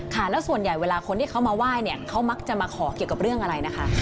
แล้วส่วนใหญ่เวลาคนที่เขามาไหว้เนี่ยเขามักจะมาขอเกี่ยวกับเรื่องอะไรนะคะ